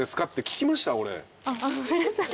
あっごめんなさい。